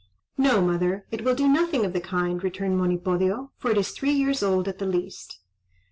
"No, mother; it will do nothing of the kind," returned Monipodio, "for it is three years old at the least."